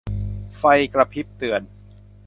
ไฟกระพริบเตือน